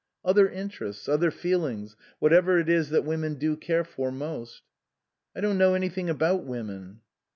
" Other interests, other feelings whatever it is that women do care for most." " I don't know anything about women."